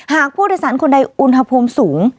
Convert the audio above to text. หากผู้โดยสารคนใดอุณหภูมิสูง